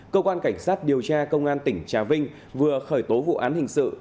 cơ quan cảnh sát điều tra công an tỉnh trà vinh vừa khởi tố vụ án hình sự